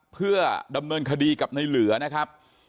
เพื่อดำเนินคดีกับในเหลือนะครับ